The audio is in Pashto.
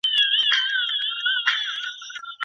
ولي زیارکښ کس د لوستي کس په پرتله موخي ترلاسه کوي؟